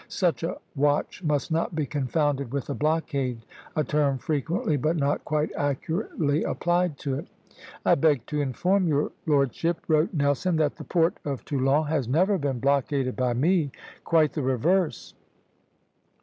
Such a watch must not be confounded with a blockade, a term frequently, but not quite accurately, applied to it. "I beg to inform your Lordship," wrote Nelson, "that the port of Toulon has never been blockaded by me; quite the reverse.